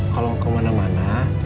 kalau mau kemana mana